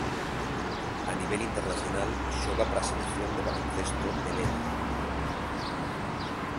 A nivel internacional xoga para a selección de baloncesto helena.